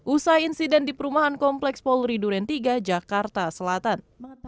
usai insiden di perumahan kompleks polri duren tiga jakarta selatan